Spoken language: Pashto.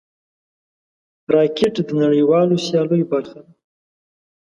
راکټ د نړیوالو سیالیو برخه ده